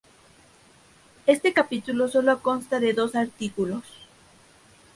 Este capítulo solo consta de dos artículos.